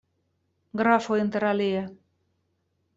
Grafo, interalie.